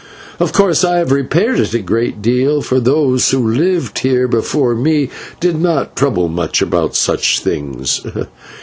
Of course I have repaired it a great deal, for those who lived here before me did not trouble about such things.